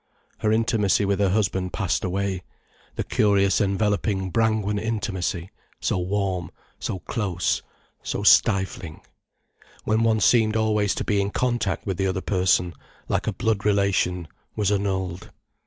Her intimacy with her husband passed away, the curious enveloping Brangwen intimacy, so warm, so close, so stifling, when one seemed always to be in contact with the other person, like a blood relation, was annulled.